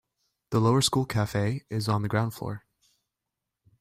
The lower school cafe is on the ground floor.